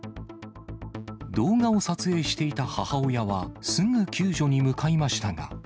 動画を撮影していた母親は、すぐ救助に向かいましたが。